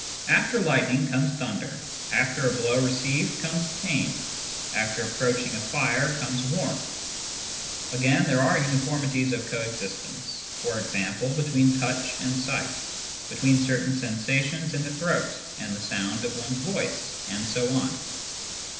After lightning comes thunder, after a blow received comes pain, after approaching a fire comes warmth ; again, there are uni formities of coexistence, for example between touch and sight, between certain sensations in the throat and the sound of one's own voice, and so on.